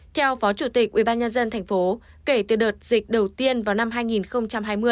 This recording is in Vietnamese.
theo phó chủ tịch ubnd tp kể từ đợt dịch đầu tiên vào năm hai nghìn hai mươi